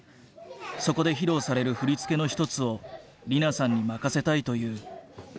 そこで披露される振り付けの一つを莉菜さんに任せたいという。